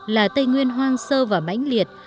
là tây nguyên hoang sơ và mãnh liệt